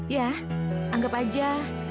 ya anggap aja